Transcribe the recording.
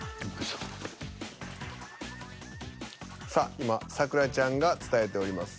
今咲楽ちゃんが伝えております。